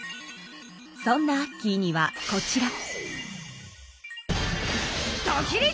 そんなアッキーにはこちら。